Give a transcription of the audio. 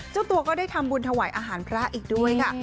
เจ้าตัวก็ได้ทำบุญถวายอาหารพระอีกด้วยค่ะ